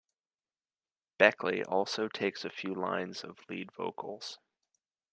Beckley also takes a few lines of lead vocals.